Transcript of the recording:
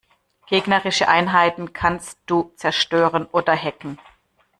Gegnerische Einheiten kannst du zerstören oder hacken.